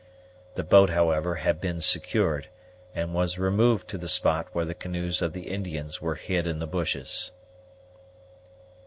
The boat, however, had been secured, and was removed to the spot where the canoes of the Indians were hid in the bushes.